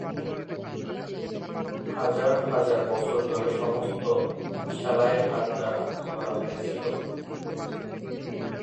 হাজার হাজার বছর ধরে, সমস্ত সেলাই হাত দ্বারা করা হয়েছিল।